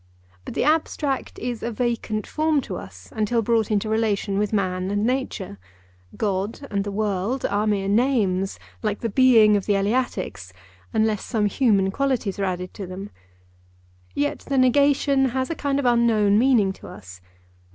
But the abstract is a vacant form to us until brought into relation with man and nature. God and the world are mere names, like the Being of the Eleatics, unless some human qualities are added on to them. Yet the negation has a kind of unknown meaning to us.